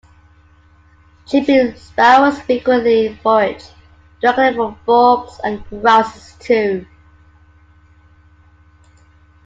Chipping sparrows frequently forage directly from forbs and grasses, too.